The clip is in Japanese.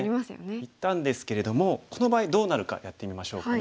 いったんですけれどもこの場合どうなるかやってみましょうかね。